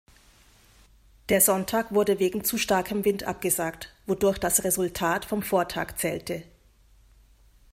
Der Sonntag wurde wegen zu starkem Wind abgesagt, wodurch das Resultat vom Vortag zählte.